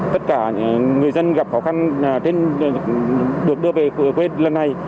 tất cả người dân gặp khó khăn trên được đưa về quê lần này đều được đưa về khuế lần này